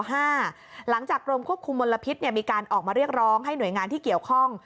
หลังจากกรมควบคุมมลพิษมีการออกมาเรียกร้องให้หน่วยงานที่เกี่ยวข้อง